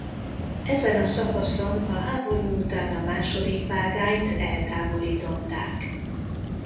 Ezen a szakaszon a háború után a második vágányt eltávolították.